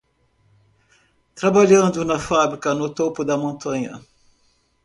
Trabalhando na fábrica no topo da montanha